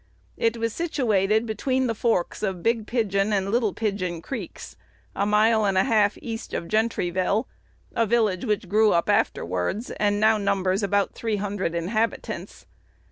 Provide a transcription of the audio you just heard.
It was situated between the forks of Big Pigeon and Little Pigeon Creeks, a mile and a half east of Gentryville, a village which grew up afterwards, and now numbers about three hundred inhabitants.